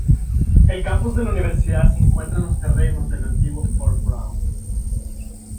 El campus de la universidad se encuentra en los terrenos del antiguo Fort Brown.